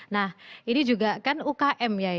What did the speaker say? nah ini juga kan ukm ya